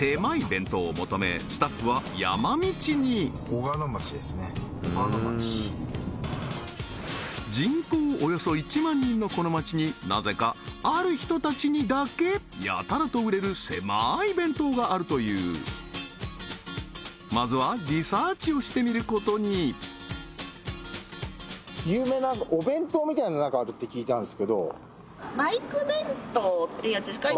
弁当を求めスタッフは山道に人口およそ１万人のこの町になぜかある人たちにだけやたらと売れるせまい弁当があるというまずはリサーチをしてみることに有名なお弁当みたいな何かあるって聞いたんですけどバイク弁当っていうやつですか？